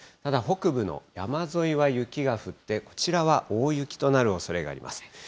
ただ北部の山沿いは雪が降って、こちらは大雪となるおそれがあります。